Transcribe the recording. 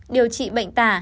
điều trị bệnh tả